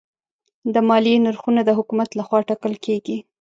د مالیې نرخونه د حکومت لخوا ټاکل کېږي.